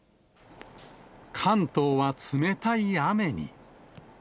関東は冷たい雨に。